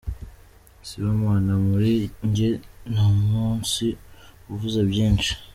Sibomana: Kuri njye ni umunsi uvuze byinshi.